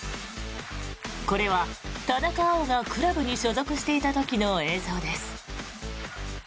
これは田中碧がクラブに所属していた時の映像です。